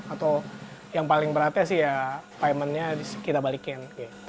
atau yang paling beratnya sih ya paymentnya kita balikin